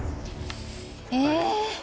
ええ？